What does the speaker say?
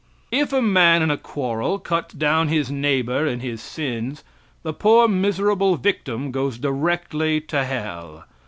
If a man in a quarrel cuts down his neighbor in his sins, the poor, miserable victim goes directly to hell!